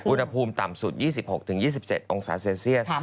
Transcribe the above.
อุณหภูมิต่ำสุด๒๖๒๗องศาเซลเซียส